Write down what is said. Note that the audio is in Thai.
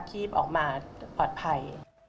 คีบออกมาปลอดภัย